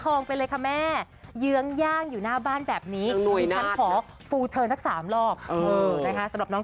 ถลาดเข้าเหมือนกันนะตัวเงินตัวทอง